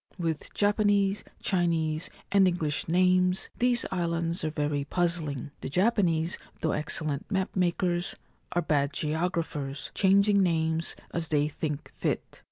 With Japanese, Chinese, and English names, these islands are very puzzling. The Japanese, though excellent map makers, are bad geographers, changing names as they think fit.